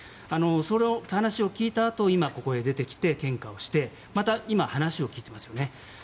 その話を聞いたあとここへ出てきて献花をしてまた、話を聞いていますよね。